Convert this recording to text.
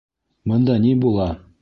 Бында ни була?